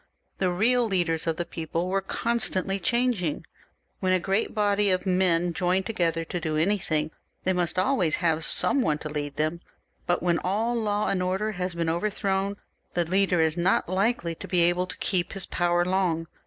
The real leaders of the people were constantly changing. When a great body of men join together to do anything, they must always have some one to lead them, but when all law and order has been overthrown, the leader is not likely to be able to keep his power long.